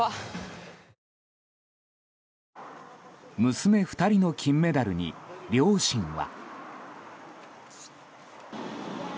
娘２人の金メダルに両親は。